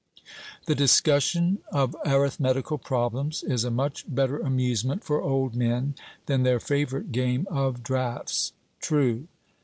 The discussion of arithmetical problems is a much better amusement for old men than their favourite game of draughts. 'True.'